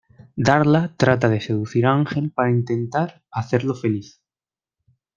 Darla trata de seducir a Ángel para intentar hacerlo feliz.